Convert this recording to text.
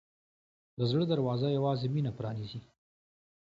د زړه دروازه یوازې مینه پرانیزي.